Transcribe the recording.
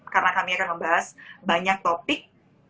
karena kami akan membahas banyak topik